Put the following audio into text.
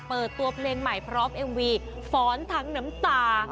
เปิดตัวเพลงใหม่พร้อมเอ็มวีฟ้อนทั้งน้ำตา